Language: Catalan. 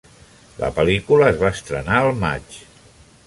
La pel·lícula es va estrenar al maig.